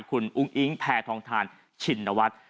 คุณอุ้งอิ๊งแพทองทานชินวัฒน์